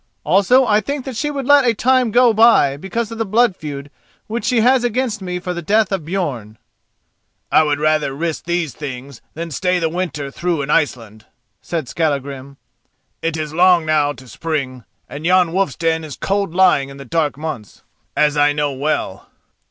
Also I think that she would let a time go by because of the blood feud which she has against me for the death of Björn." "I would rather risk these things than stay the winter through in Iceland," said Skallagrim, "it is long from now to spring, and yon wolf's den is cold lying in the dark months, as I know well."